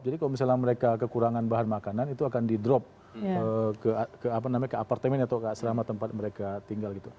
jadi kalau misalnya mereka kekurangan bahan makanan itu akan di drop ke apartemen atau ke selama tempat mereka tinggal gitu